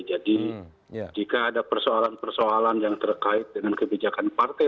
jadi jika ada persoalan persoalan yang terkait dengan kebijakan partai